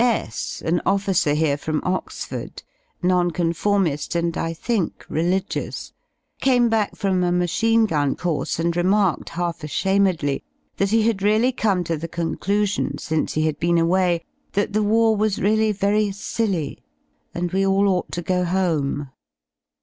S , an officer here from Oxford, Nonconformi^ and, I think, religious, came back from a machine gun course and remarked, half ashamedly, that he had really come to the conclusion since he had been away that the war was really very silly, and we all ought to go home.